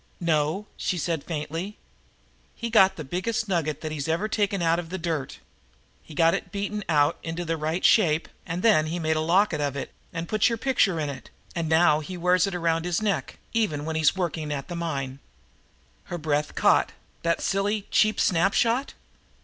"No," she said faintly. "He got the biggest nugget that he's ever taken out of the dirt. He got it beaten out into the right shape, and then he made a locket out of it and put your picture in it, and now he wears it around his neck, even when he's working at the mine." Her breath caught. "That silly, cheap snapshot!"